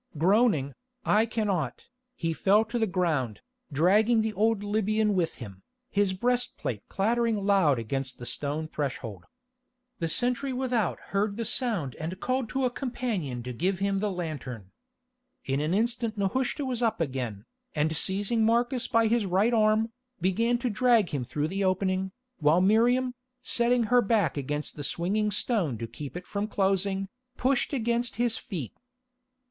Groaning, "I cannot," he fell to the ground, dragging the old Libyan with him, his breastplate clattering loud against the stone threshold. The sentry without heard the sound and called to a companion to give him the lantern. In an instant Nehushta was up again, and seizing Marcus by his right arm, began to drag him through the opening, while Miriam, setting her back against the swinging stone to keep it from closing, pushed against his feet.